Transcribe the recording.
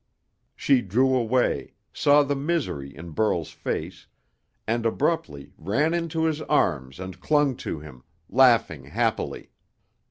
She drew away saw the misery in Burl's face and abruptly ran into his arms and clung to him, laughing happily.